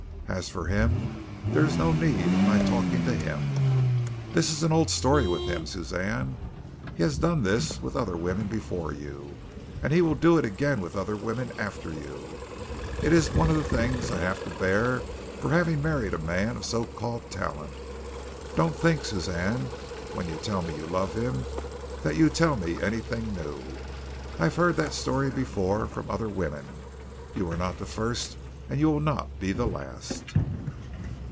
As for him, there is no need of my talking to him. This is an old story with him, Suzanne. He has done this with other women before you, and he will do it with other women after you. It is one of the things I have to bear for having married a man of so called talent. Don't think, Suzanne, when you tell me you love him, that you tell me anything new. I have heard that story before from other women. You are not the first, and you will not be the last."